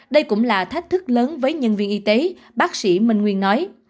đây cũng là thách thức lớn với nhân viên y tế bác sĩ minh nguyên nói